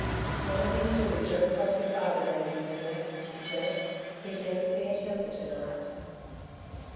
"Whatever you do, don't cross your father, Davey dear," she said. "He's in a queer temper to night."